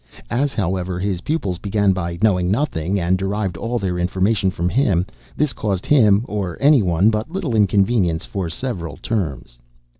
As, however, his pupils began by knowing nothing, and derived all their information from him, this caused him (or anyone) but little inconvenience for several terms.